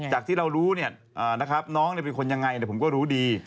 จากที่เรารู้น้องเป็นคนยังไงผมก็รู้ดี